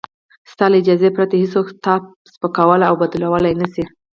ستا له اجازې پرته هېڅوک تا سپکولای او بد ویلای نشي.